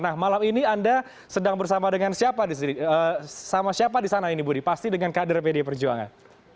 nah malam ini anda sedang bersama dengan siapa di sana ini budi pasti dengan kader pd perjuangan